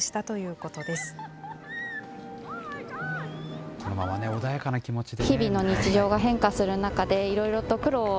このまま穏やかな気持ちでね。